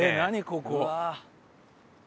ここ。